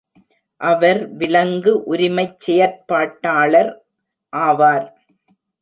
அவர் விலங்கு உரிமைச் செயற்பாட்டாளர் ஆவார்.